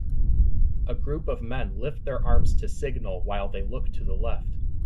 A group of men lift their arms to signal while they look to the left.